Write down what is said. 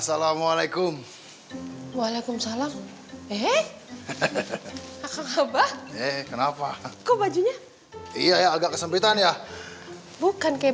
assalamualaikum waalaikumsalam eh kenapa kok bajunya iya agak kesempitan ya bukan kayak